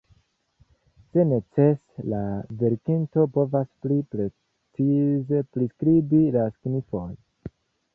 Se necese, la verkinto povas pli precize priskribi la signifon.